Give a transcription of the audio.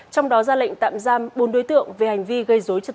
trong đó ra lệnh tạm giam bốn đối tượng